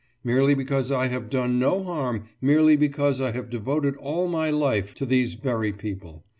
Merely because I have done no harm, merely because I have devoted all my life to these very people.